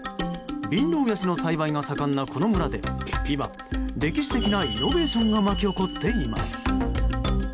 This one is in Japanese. ビンロウヤシの栽培が盛んなこの村で今、歴史的なイノベーションが巻き起こっています。